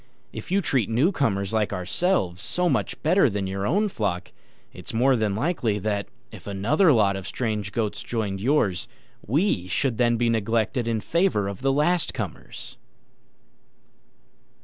If you treat newcomers like ourselves so much better than your own flock, it's more than likely that, if another lot of strange goats joined yours, we should then be neglected in favour of the last comers."